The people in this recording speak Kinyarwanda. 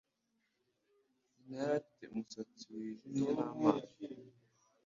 Nyina yari afite umusatsi wijimye n'amaso ...